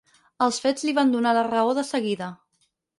Els fets li van donar la raó de seguida.